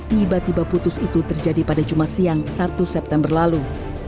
tiba tiba putus itu terjadi pada jumat siang satu september lalu